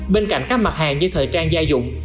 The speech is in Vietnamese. bên cạnh các mặt hàng như thời trang gia dụng